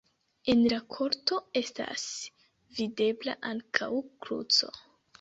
En la korto estas videbla ankaŭ kruco.